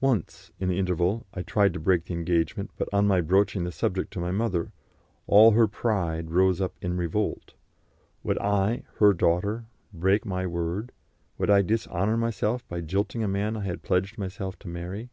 Once, in the interval, I tried to break the engagement, but, on my broaching the subject to my mother, all her pride rose up in revolt. Would I, her daughter, break my word, would I dishonour myself by jilting a man I had pledged myself to marry?